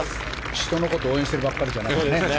人のことを応援してるばかりじゃないですね。